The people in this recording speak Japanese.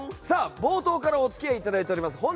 さあ、冒頭からお付き合いいただいております